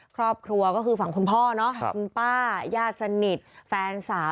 ครอบครัวก็คือฝั่งคุณพ่อเนาะคุณป้าญาติสนิทแฟนสาว